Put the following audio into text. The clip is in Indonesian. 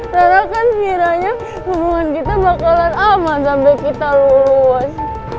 ra ra kan kiranya hubungan kita bakalan aman sampai kita lulus